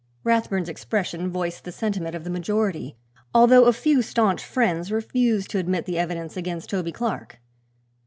Rathbun's expression voiced the sentiment of the majority, although a few staunch friends refused to admit the evidence against Toby Clark.